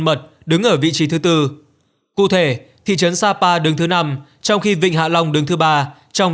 mật đứng ở vị trí thứ tư cụ thể thị trấn sapa đứng thứ năm trong khi vịnh hạ long đứng thứ ba trong